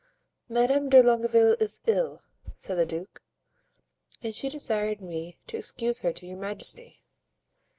"Madame de Longueville is ill," said the duke, "and she desired me to excuse her to your majesty."